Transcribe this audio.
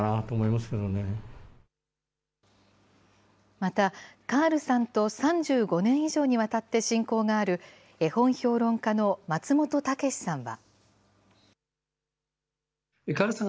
また、カールさんと３５年以上にわたって親交がある、絵本評論家の松本猛さんは。